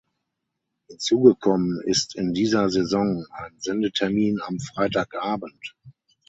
Hinzugekommen ist in dieser Saison ein Sendetermin am Freitagabend.